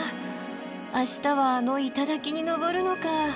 明日はあの頂に登るのか。